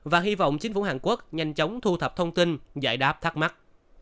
và hy vọng chính phủ hàn quốc nhanh chóng thu thập thông tin giải đáp thắc mắc